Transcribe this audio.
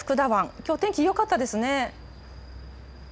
きょう天気、よかったですね。